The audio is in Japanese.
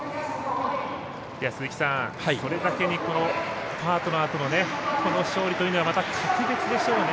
鈴木さん、それだけにこのパートナーとのこの勝利というのは格別でしょうね。